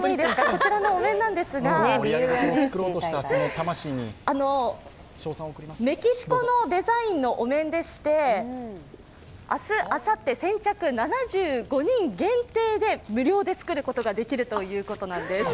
こちらのお面なんですが、メキシコのデザインのお面でして、明日、あさって、先着７５人限定で無料で作ることができるということなんです。